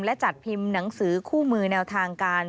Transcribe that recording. และจัดพิมพ์หนังสือคู่มือแนวทางการ